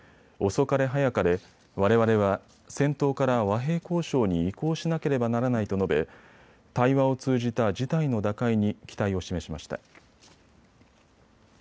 遅かれ早かれ、われわれは戦闘から和平交渉に移行しなければならないと述べ対話を通じた事態の打開に期待を示しました。